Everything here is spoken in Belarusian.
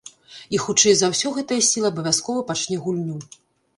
І хутчэй за ўсё гэтая сіла абавязкова пачне гульню.